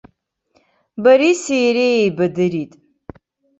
Бориси иареи еибадырит.